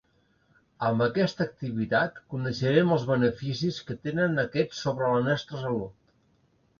Amb aquesta activitat, coneixerem els beneficis que tenen aquests sobre la nostra salut.